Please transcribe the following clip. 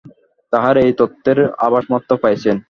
তাঁহারা এই তত্ত্বের আভাসমাত্র পাইয়াছেন।